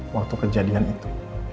waktu kejadian itu